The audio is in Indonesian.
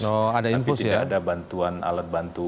tapi tidak ada bantuan alat bantu